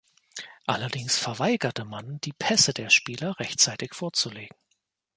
Allerdings verweigerte man, die Pässe der Spieler rechtzeitig vorzulegen.